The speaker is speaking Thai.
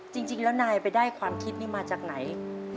จริงแล้วนายได้ทำข้อคิดได้กับไหน